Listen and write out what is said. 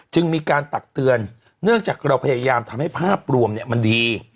จึงมีการตักเตือนเนื่องจากเราพยายามทำให้ภาพรวมมันดี